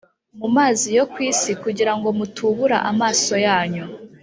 mu mazi yo ku isi kugira ngo mutubura amaso yanyu